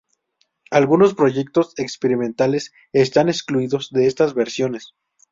Algunos proyectos experimentales están excluidos de estas versiones.